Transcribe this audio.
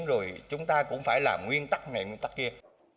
rồi chúng ta cũng phải làm nguyên tắc nghề nguyên tắc kia